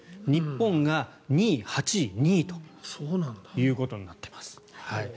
日本が２位、８位、２位ということになっています。